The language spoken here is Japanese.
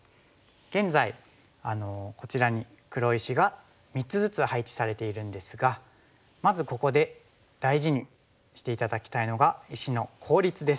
現在こちらに黒石が３つずつ配置されているんですがまずここで大事にして頂きたいのが石の効率です。